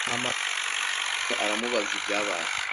Ahamagara umugaragu umwe aramubaza ibyabaye